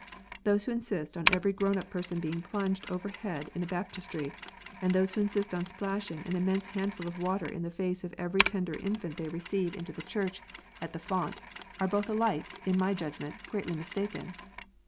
Those who insist on every grown up person being plunged over head in a baptistry, and those who insist on splashing an immense handful of water in the face of every tender infant they receive into the 96 KNOTS UNTIED. Church at the font, are both alike, in my judgment, greatly mistaken.